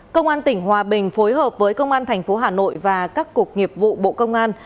công an tỉnh hòa bình phối hợp với công an thành phố hà nội và các cục nghiệp vụ bộ công an